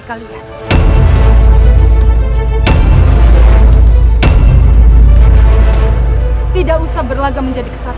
sumpah seorang raja besar